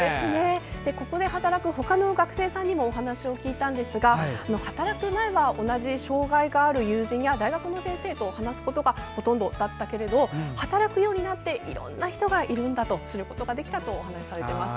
ここで働く他の学生さんにもお話を聞いたんですが働く前は同じ障害がある友人や大学の先生と話すことがほとんどだったけれど働くようになっていろんな人がいるんだなと知ることができたとお話されていました。